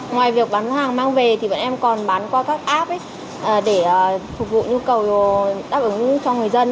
ngoài việc bán hàng mang về thì bọn em còn bán qua các app để phục vụ nhu cầu đáp ứng cho người dân